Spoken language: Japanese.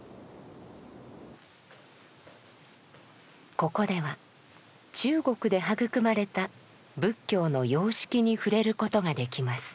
ここでは中国で育まれた仏教の様式に触れることができます。